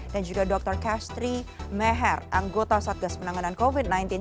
dan juga dr kastri meher anggota satgas penanganan covid sembilan belas selamat malam